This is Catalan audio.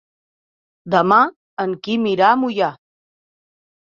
Demà en Quim irà a Moià.